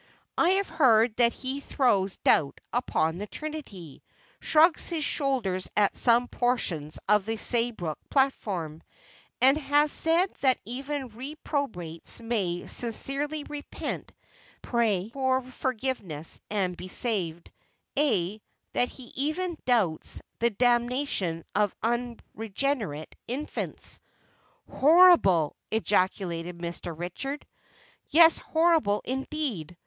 "I have heard that he throws doubt upon the Trinity, shrugs his shoulders at some portions of the Saybrook Platform, and has said that even reprobates may sincerely repent, pray for forgiveness, and be saved; ay, that he even doubts the damnation of unregenerate infants!" "Horrible!" ejaculated Mr. Richard. "Yes, horrible indeed!